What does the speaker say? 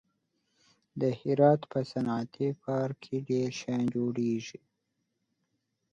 د هرات په صنعتي پارک کې ډېر شیان جوړېږي.